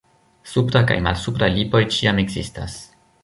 Supra kaj malsupra lipoj ĉiam ekzistas.